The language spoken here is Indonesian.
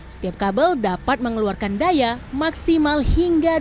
setiap kabel dapat mengeluarkan daya maksimal hingga tujuh puluh lima kwh